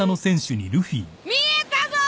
見えたぞ！